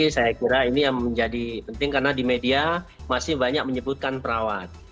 saya kira ini yang menjadi penting karena di media masih banyak menyebutkan perawat